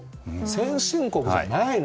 先進国じゃないの。